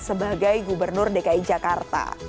sebagai gubernur dki jakarta